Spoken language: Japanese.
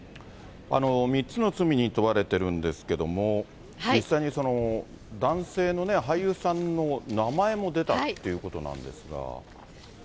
３つの罪に問われてるんですけども、実際に男性の、俳優さんの名前も出たっていうことなんですが。